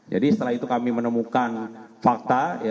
jadi setelah itu kami menemukan fakta